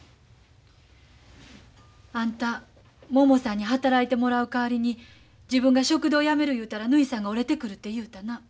あんたももさんに働いてもらうかわりに自分が食堂やめる言うたらぬひさんが折れてくるて言うたな。